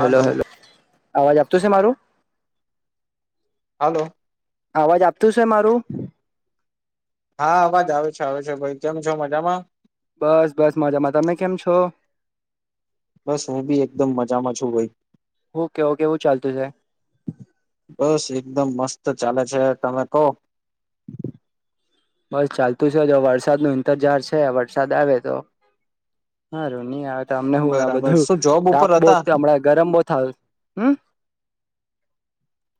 Hello hello hello અવાજ આપતો છે મારું હાલો અવાજ આપતું છે મારું હા અવાજ આવે છે આવે છે ભાઈ કેમ છો મજામાં બસ બસ મજામાં તમે કેમ છો બસ હું બી એકદમ મજામાં છું ભાઈ ઓકે ઓકેવું ચાલતું છે બસ એકદમ મસ્ત ચાલે છે તમે કોહ. બસ ચાલતું છે જો વરસાદ ન ઈંતજાર છે વરસાદ આવે તો હા રોનીિ આ [unintelligible] તમને હું આ બરાબર બધું શું જોબ ઉપર તાપ બહ હતા હણાં ગરમ બહ થાય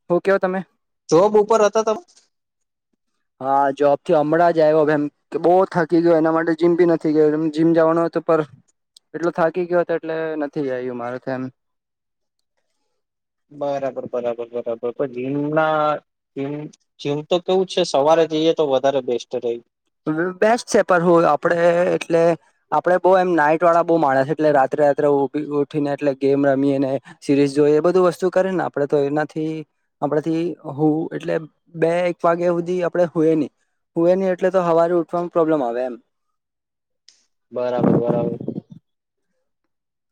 હ હ કેવ તમે જોબ ઉપર હતા તમે હા જોબ થી હમણાં જ આવ્યોમ બહુ થકી ગયો એના માટે જીમ ભી નથી ગયો જીમ જવાનું એટલું થાકી ગયો હતો એટલે નથી આવ્યું મારે એમ બરાબર બરાબર બરાબર પણ જીમનામ જીમ તો કેવું છે સવારે જઈએ તો વધારે બેસ્ટ રહી. બેસ્ટ છે પર હું આપડે એટલે આપણે બહ એમ નાઈટ વાળા બહ માણસ એટલે રાત્રે રાત્રે ઉભી ઉઠી ને એટલે ગેમ રમીએ ને સિરીઝ જોઈ એ બધું વસ્તુ કરે ને આપડે તો એનાથી આપણેથી હો એટલે બે એક વાગ્યા સુધી આપણે હોય નહી હોય ની એટલે તો હવારે ઉઠવાવામાં પ્રોબ્લેમ આવે એમ. બરાબર બરાબર.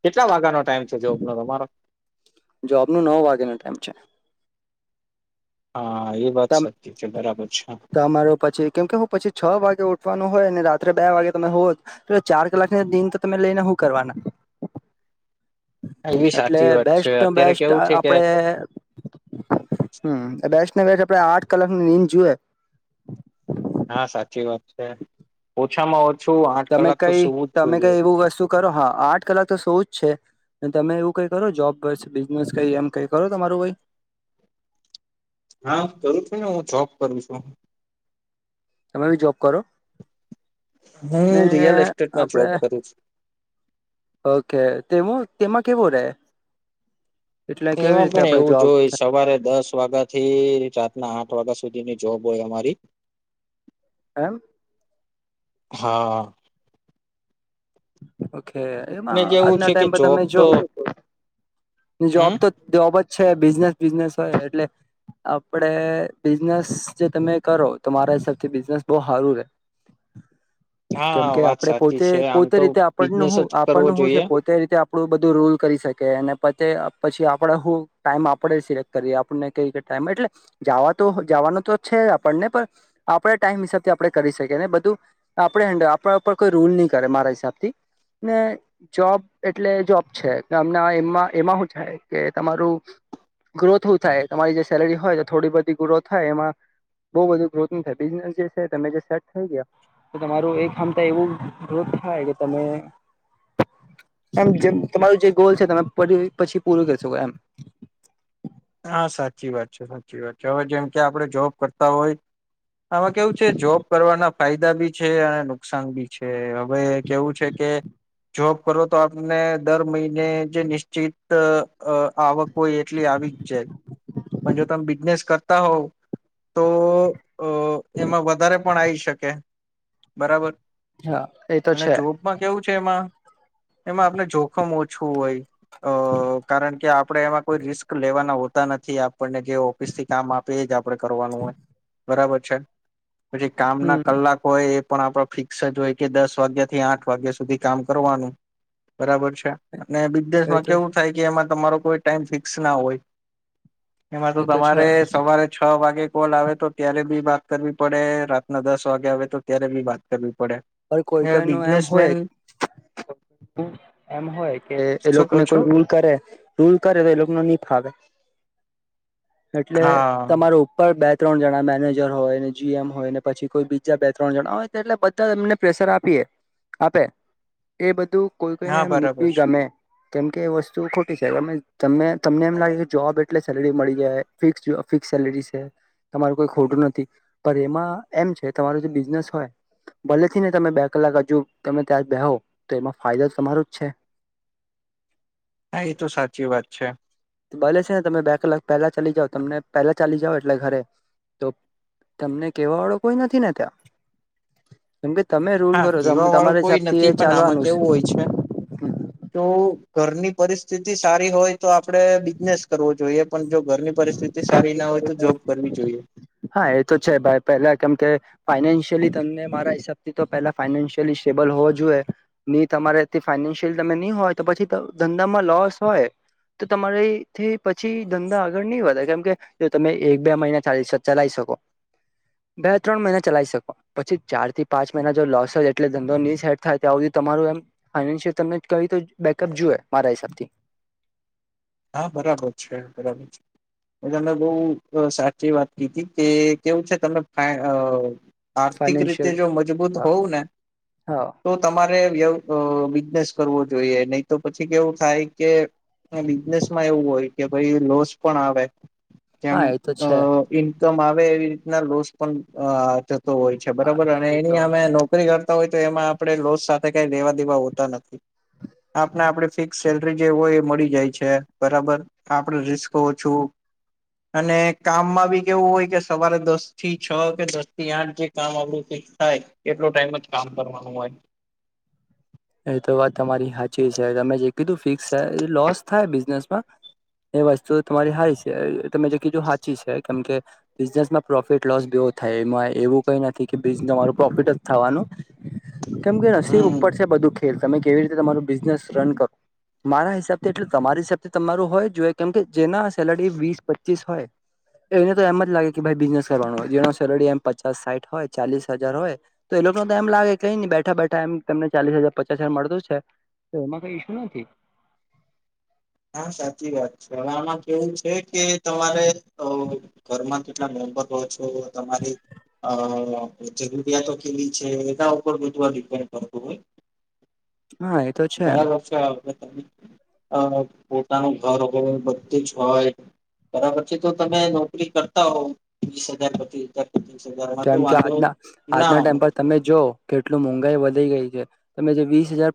કેટલા વાગાનો ટાઇમ છે જોબનો તમારો. જોબ નું નવ વાગ્યાનો ટાઈમ છે હા. એ વાત સાચી છે બરાબર છે તમારો પછી કેમ કે હું પછી છ વાગે ઉઠ વાનું હોય અને રાત્રે બે વાગે તમે હોવ એટ ચાર કલાકને દિન તો તમે લઈને શું કરવાના. એ બી એટલે સાચી વાત છે બેસ્ટ અત્યારે બેસ્ટ કેવું છે કે આપડે હમ્મ બેસને વ આપણે આઠ કલાકની નીન જુએ. હા સાચી વાત છે ઓછામાં ઓ તમે કઈ તમે કઈ એવું વસ્તુ કરો હા આઠ કલાક તો સૌવ છે. તમે એવું કઈ કરો જોબ બિઝનેસ કઈ એમ કઈ કરો તમારું કઈ? હા કરું છું ને હું જોબ કરું છું. તમે બી જોબ કરો? ને હું રિયલ એસ્ટેટમાં આપડે જોબ કરું છું. ઓકે તે તેમાં કેવું રે? એટલે કેવી એમાં રીતે પણ આપણે એવું જ જોબ હોય સવારે દસ વાગ્યા થી રાતના આઠ વાગ્યા સુધીની જોબ હોય અમારી. એમ? હા. ઓ અને એમાં કેવું આજના છે કે ટાઈમ પર જોબ તમે જો તો જોબ હમ તો જોબ જ છે, બિઝનેસ બિઝનેસ હોય એટલે આપડે બિઝનેસ જે તમે કરો તો મારા હિસાબથી બિઝનેસ બવ સારું રે. હા કેમ કે વાત આપણે સાચી પોતે છે, આમ પોતે તો રીતે આપણનું બિઝનેસ હું જ કરવો આપણનું હું છે જોઈએ. પોતે રીતે આપણું બધું રૂલ કરી શકે અને પછી આપણેે હું ટાઈમ આપણેે સિલેક્ટ કરીએ આપને કઈ ટાઈમ એટલે જવા તોવા આપને આપણે ટાઈમ હિસાબથી આપણે કરી શકીએ બધું. આપડ હેડલ આપ કોઈ રૂલ ની કરે મારા હિસાબ થી જોબ એટલે જોબ છેમ એમાં એમાં શું છે કે તમારું ગ્રોથ હું થાય તમારી જે સેલરી હોય થોડી બધી ગ્રોથ થાય એમાં બઉ બધું ગ્રોથ ન થાય બિઝનેસ જે છે તમે જે સેટ થઈ ગયા તો તમારું એક હમતા એવું ગ્રોથ થાય કે તમે એમ જે તમારું જે ગોલ છે તમે પ પછી પૂરું કરી શકો એમ. હા સાચી વાત છે સાચી વાત છે, હવે જેમ કે આપડણે જોબ કરતા હોય આમાં કેવું છે જોબ કરવાના ફાયદા બી છે અને નુકસાન બી છે હવે કેવું છે કે જોબ કરો તો આપને દર મહિને જે નિશ્ચિત આવક અ હોય એટલી આવી જ જાય પણ જો તમે બિઝનેસ કરતા હોવ તો અ એમાં વધારે પણ આવીઈ શકે. બરાબર? હા એ તો અને છે જોબમાં કેવું છે એમાં એમાં આપણે જોખમ ઓછું હોય અ કારણ કે આપણેે એમાં કોઈ રિસ્ક લેવાનું હોતા નથી, આપણને જે ઓફિસ થી કામ આપે એ જ આપડે કરવાનું હોય. બરાબર છે? પછી કામ ના હમ કલાક હોય એ પણ આપડ ફિક્સ જ હોય કે દસ વાગ્યા થી આઠ વાગ્યા સુધી કામ કરવાનું બરાબર છે અને એ બિઝનેસમાં તો કેવું થાય કે એમાં તમારો કોઈ ટાઈમ ફિક્સ ના હોય એમાં તો એ છે તમારે સવારે છ વાગે કોલ આવે તો ત્યારે બી બાત કરવી પડે રાતના દસ વાગે આવે તો ત્યારે બી બાત કરવી પડે પણ કોઈ મે કઈ નું એમ બિઝનેસમેન હોય એમ હોય કે એ શું કહ લોકોને છો કોઈ રૂલ કરે રૂલ કરે તો એ લોકો ન ની ફાવે એટલે હા તમારો ઉપર બેચ ત્રણ જણા મેનેજર હોય ને જીએમ હોય ને પછી કોઈ બીજા બે ત્રણ જણા હોય એટલે બધા એમને પ્રેશર આપીએ આપે એ બધું કોઈ કોઈને હા એમ બરાબર નીવી છે ગમે કેમ કે એ વસ્તુ ખોટી છે ત તમને એમ લાગે કે જોબ એટલે સેલરી મળી જાય ફિક્સ ફિક્સ સેલરી છે તમારું કોઈ ખોટું નથી પણ એમાં એમ છે તમાર જે બિઝનેસ હોય ભલે ને તમે બે કલાક હજુ તમે ત્યાં બેહો તો એમાં ફાયદો તમારો જ છે હા એ તો સાચી વાત છે ભલે છે ને તમે બે કલાક પહેલા ચાલી જાઓ તમને પેહેલા ચાલી જાઓ એટલે ઘરે તો તમને કેવા વાળો કોઈ નથી ને ત્યાં [inaudible] કેમકે તમે રૂલ હા કરો કીવા વાળું તમારા કોઈ હિસાબથી નથી એ પણ આમાં ચાલવાનું કેવું હોય છે તો ઘરની પરિસ્થિતિ સારી હોય તો આપણેે બિઝનેસ કરવો જોઈએ પણ જો ઘરની પરિસ્થિતિ સારી ના હોય તો જોબ કરવી જોઈએ હા એ તો છે ભાઈ પેલા કેમ કે ફ રા હસાબથી પલા ફલી સેબલ હોવો જોઈએ તમાથી ફય ન હોય તો પછી ધંધામાં લોસ હોય તો તમારી થી પછી ધંધા આગળ નહીં વધે કેમ કે તો તમે એક બે મહિનાાલી ચલાવી શકો બે ત્રણ મહિના ચલાવી શકો પછી ચાર થી પાંચ મહિના જો લોસ હોય એટલે ધંધો ની હેટ થાય ત તમારું એમ ફાઈશયલ ત ક બેકઅપ જોુએ મારા હિસાબથી હા બરાબર છે બરાબર છે એ તમે બહ સાચી વાત કી હતી કે કેવું છે તમે આર્થિક રીતે ફાઈનાન્શિયલ જો મજબૂત હા હોવું ને હા તો તમારે બિઝનેસ કરવો જોઈએ નહી તો પછી કેવું થાય કે બિઝનેસમાં હોય કેસ પણ આવે જેમ હા એ તો છે ઇ આવે એવી રીતના લોસ પણ થતો હોય છે બરાબર અને એ એની તો અમે નોકરીતા હોય તો એમાં આપણે લોસ સાથે કઈ લેવા દેવા હોતા નથી આપને આપડે ફિક્સ સેલરી જે હોય એ મળી જાય છે બરાબર આપડ રિસ્ક ઓછું અને કામમાં બી કેવું હોય કે સવારે દસ થી છ કે દસ થી આઠ જે કામ આવડું થાય કેટલો ટાઈમ જ કામ કરવાનું હોય એ તો વાત તમારી સાચી છે તમે જે કીધું ફિક્સ થાય લોસ થાય બિઝનેસમાં એ વસ્તુ તમારી હાય છે તમે જે કીધું સાચી છે કેમ કે બિઝનેસમાં પ્રોફિટ લોસ બ થાય એમાં એવું કઈ નથી કે બીજ તમારું પ્રોફિટ જ થવાનું કેમ કે નસીબ હમ ઉપર છે બધું ખેલ તમે કેવી રીતે તમારું બિઝનેસ રન કરો મારા હિસાબથી એટલે તમારી હિસાબ તમારું હોય જોએ કેમ કે જેના સેલરી વીસ પચીસ હોય એને તો એમ જ લાગે કે ભાઈ બિઝનેસ કરવાનો હોય જેનો સેલરી એમ પચાસ સાઠ હોય ચાલીસ હજાર હોય તો લોકો તો એમ લાગે કઈ નઈ બેઠા બેઠા એમને ચાલીસ હજાર પચાસ હજાર મળતો છે તો એમાં કઈ ઈશુ નથી હા સાચી વાત છે હવે આમાં કેવું છે કે તમારે ઘરમાં કેટલા ર પહોચો તમારી અ જરૂરિયાતો કેવી છે એના ઉપર બધવા ડિપેન્ડ કરતું હોય [inaudible] હા એ તો છે એમ ઘણા લોકો હવે અ પોતાનું ઘર હોય બધી જ હોય બરાબરછ તો તમે નોકરી કરતા હોવ વીસ હજાર પચીસ હજાર પચીસ હજારમાં તો કેમ કે વાંધો આજના ના આજના ટાઈમ પર હોય. તમે જો કેટલું મોંઘાઈ વધી ગઈ છે તમે જે વીસ હજાર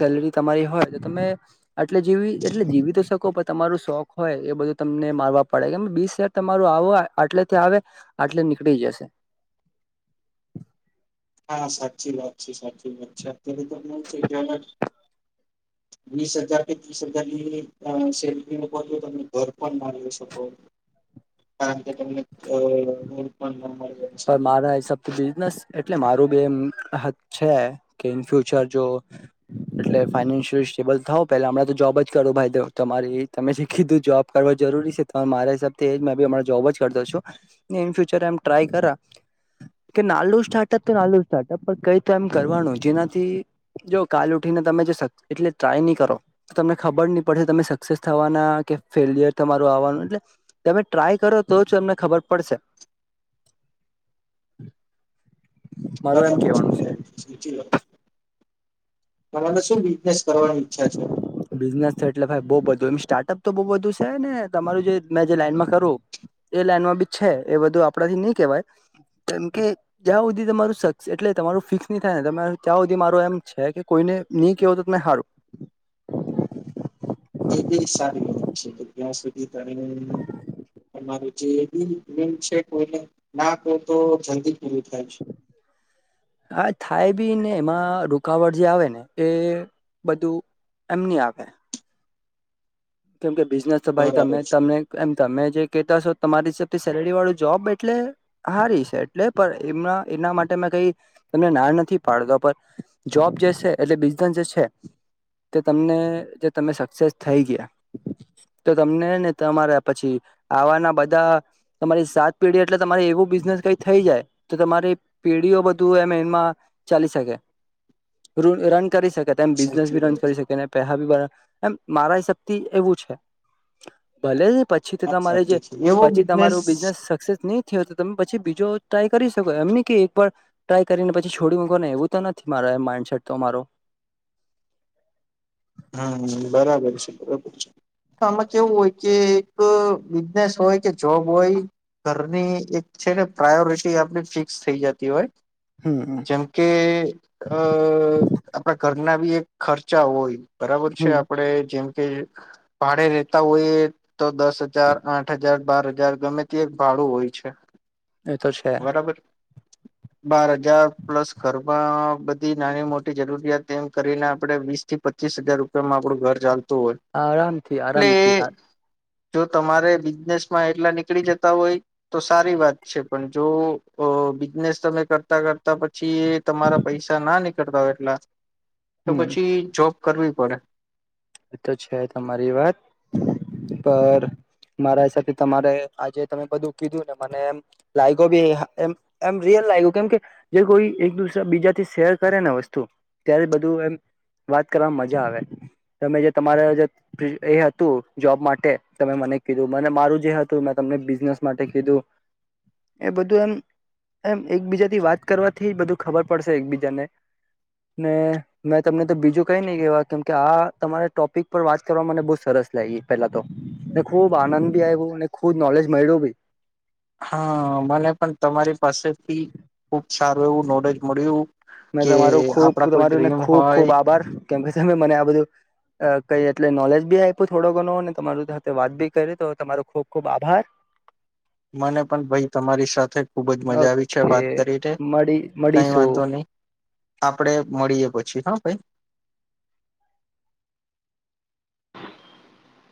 સેલરી તમારી હોય તો તમે આટલે જીવી એટલે જીવી તો તમારું શોખ હોય એ બધું તમને મારવા પડે કે બીસ હજાર તમારું આવો આટલેથી આવે આટ પનીકળ જશે હા સાચી વાત છે સાચી વાત છે અત્યારે તોને છે કે્યાલ જ વીસ હજાર કે ત્રીસ હજારની સેલરી ન તમે ઘર પણ મારી શકો હા પણ મારા હસાબ તો બિઝનેસ એટલે મારું બી એમ હ છે કે ઇન ફ્યુચર જો એટલે ફાઈશય સેબલ થાવ પેલા હમણાં જોબ જ કરવું ભાઈ દેવ તમારે તમે શી કીધું જોબ કરવ જરૂરી છે તો મારાબ મે જોબ જ કરતો છું ઈન ફ્યુચર એમ ટ્રાય કર [inaudible] કે નાલું સ્ટાર્ટઅપ તો નાલું સ્ટાર્ટઅપ પણ કઈ તો એમ કરવાનું જેનાથી જો કાલ ઉઠીને મે એટલે ટ્રાય નહી કરો તમને ખબર નહી પડશે તમે સક્સેસ થવાના કે ફેલિયર તમાું એટ તમે ટ્રાય કરો તો જ તમને ખબર પડશે [inaudible] હ બરાબર છે બરાબર છે સાચી લો તમા તો શું બિઝનેસ કરવાની ઈચ્છા છે બિઝનેસ છે એટલે ભાઈ બઉ બધું એ સ્ટાર્ટઅપ તો બઉ બધું છે ને તમારું જે મેં જે લાઈનમાં કરું એ લાઈનમાં બી છે એ બધું આપણાથી નઈ કેવાય કેમ કે જ્યાં સુધી તમારું સ એટલે તમારું ફિક્સ નહી થાય ને જ્યાં સુધી મારો એમ છે કે કોઈ ન કેવો તો તં હારું એ બ સારી ગ છે એટ ત્યાં સુધી તમે જે બ છે કોઈને ના તો જ હ થાય ભી ને એમાં રૂકાવટ જે આવે ને એ બધું એમની આવે કેમ કે બિઝનેસ તો ભાઈ તમે બરાબર તમને એમ તમે જે કતાો તમારી હિસાબથી સેલેરી વાળું જોબ એટલે હારી છે એટલે પણ એમના એના માટે ક તને ના નથી પાડતા પર જોબ જે એટલે બિઝનેસ જે તે તમને જે તમે સક્સેસ થઈ ગયા [inaudible] તો તમને ને તમારા પછી આવાના બધા તમારી સાત પેઢી એટલે તમારે એવું બિઝને કઈ થઈ જાય તો તમારી પેઢીઓ બધું એમ એમાં ચાલી શકે રન કરી શકે એ છે બિઝનેસ સાચી ભી રન વાત છે કરી શકે પેસા ભી એમ મારા હિસાબ એવું છે ભલે પછી તો વાત તમારે જે સાચી છે એવો પછી તમારું બિઝનેસ સક્સેસ નહી થયો તમે પછી બીજો ટ્રાય કરી શકો એમ કે એક વાર ટ્રાય કરીને પછી છોડી મકો ને એવું તો નથી મારેડ પે શર્ટ તો મારો હમ બરાબર છે બરોબર છે આમાં કેવું હોય કે એક બિઝનેસ હોય કે જોબ હોય ઘરની એક છે ને પ્રાયોરિટી આપડી ફિક્સ થઈ જતી હોય હમ જેમ કે અ આપણા ઘર ના બી એક ખર્ચા હોય બરાબર છે હમ આપડે જેમ કે ભાડે રેતા હોઈએ તો દસ હજાર આઠ હજાર બાર હજાર ગમે તે એક ભાડ ું હોય છે એતો છે બરાબર બાર હજાર પ્લસ ઘરમાં બધી નાની મોટી જરૂરિયાત એમ કરીને આપડે વીસ થી પ પચીસ હજાર રૂપિયામાં આપડું ઘર ચાલતું હોય આરામથી એટલે આરામથી જો તમારે બિઝનેસમાં એટલા નીકળી જતા હોય તો સારી વાત છે પણ જો તો બિઝનેસ તમે કરતા કરતા પછી તમારા પૈસા ના નીકળતા હોય એટલા તો હમ પછી જોબ કરવી પડે. એ તો છે તમારી વાત પર મારા હિસાબ તમારે આજે તમે બધું કીધું ને મને એ લાયો બી લાગ્યું કેમ કે જે કોઈ એક દસરા બીજાથી શેર કરે ને વસ્તુ ત્યારે બધું એમ વાત કરવામાં મજા આવે. તમે જે તમારા જે એ હતું જોબ માટે તમે મને કીધું મને મારું જે હતું મેં તમને બિઝનેસ માટે કીધું એ બધું એમ એમ એકબીજા થી વાત કરવાથી બધું ખબર પડશે એકબીજાને. ને મેં તમને તો બીજું કઈ નહી કેવા કેમ કે આ તમારે ટોપિક પર વાત કરવા મને બહુ સરસ લાગી પેલા તો. એ ખુબ આનંદ ભી આવ્યો અને ખુબ નોલેજ મળ્યું બી. હા મને પણ તમારી પાસેથી ખુબ સારું એવું નોલેજ મળ્યું. મે કે તમારું ખુબ આપડા કોઈ તમારુંને ડ્રીમ ખૂબ ખૂબ હોય આભાર કેમ કે તમે મને આ બધું. કઈ એટલે નોલેજ બી આપ્યું થોડો ઘણું અને તમાર સાથે વાત બી કરી તો તમારો ખુબ ખુબ આભાર. મને પણ ભાઈ તમારી સાથે ખૂબ જ મજા આવી છે ઓકે વાત કરી ને. મળી કઈ મળીશું વાંધો નહી. આપડે મળીએ પછી હા ભાઈ. [inaudible]